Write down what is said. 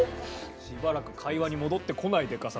しばらく会話に戻ってこないデカさ。